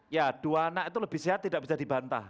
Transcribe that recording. ya dua anak itu lebih sehat tidak bisa dibantah